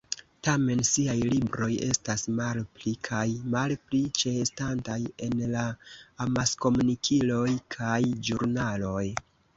Tamen siaj libroj estas malpli kaj malpli ĉeestantaj en la amaskomunikiloj kaj ĵurnaloj.